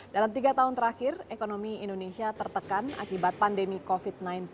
dalam tiga tahun terakhir ekonomi indonesia tertekan akibat pandemi covid sembilan belas